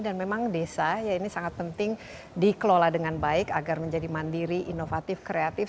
dan memang desa ini sangat penting dikelola dengan baik agar menjadi mandiri inovatif kreatif